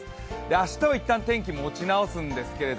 明日はいったん天気持ち直すんですけど